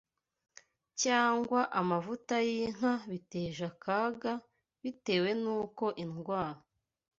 cyangwa amavuta y’inka biteje akaga, bitewe n’uko indwara